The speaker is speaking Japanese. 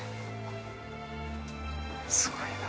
すごいな。